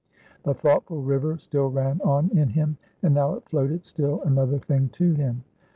The thoughtful river still ran on in him, and now it floated still another thing to him.